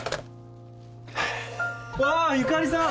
わぁゆかりさん！